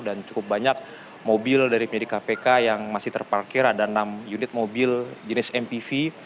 dan cukup banyak mobil dari penyelidik kpk yang masih terparkir ada enam unit mobil jenis mpv